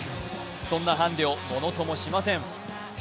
そんなハンデをものともしません。